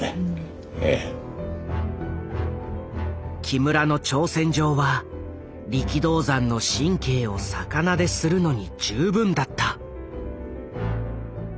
木村の挑戦状は力道山の神経を逆なでするのに十分だった。